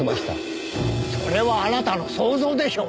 それはあなたの想像でしょう。